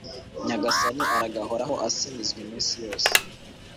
Nyagasani aragahora asingizwa iminsi yose